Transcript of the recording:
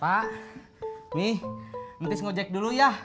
pak nih nanti ngejek dulu ya